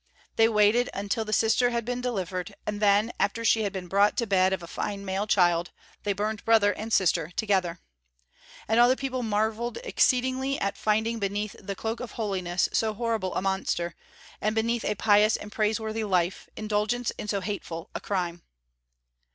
They waited until the sister had been delivered, and then, after she had been brought to bed of a fine male child, they burned brother and sister together. And all the people marvelled exceedingly at finding beneath the cloak of holiness so horrible a monster, and beneath a pious and praiseworthy life indulgence in so hateful a crime.